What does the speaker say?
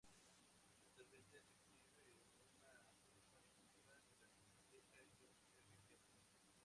Actualmente se exhibe en una urna de cristal de la Biblioteca John F. Kennedy